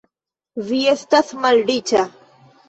Vi estas malriĉa!